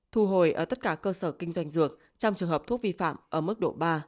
thu hồi ở tất cả cơ sở kinh doanh dược trong trường hợp thuốc vi phạm ở mức độ ba